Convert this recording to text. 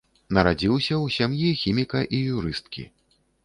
Нарадзіўся ў сям'і хіміка і юрысткі.